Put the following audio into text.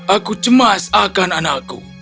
aku cemas akan anakku